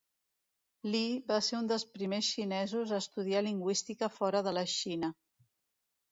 Li va ser un dels primers xinesos a estudiar lingüística fora de la Xina.